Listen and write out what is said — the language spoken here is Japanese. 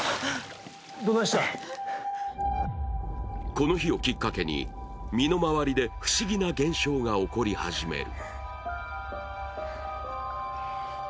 この日をきっかけに身の回りで不思議な現象が起こり始める。